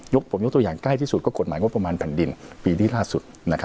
ผมยกตัวอย่างใกล้ที่สุดก็กฎหมายงบประมาณแผ่นดินปีที่ล่าสุด